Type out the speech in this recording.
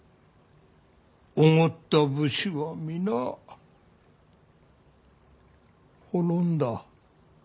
おごった武士は皆滅んだ。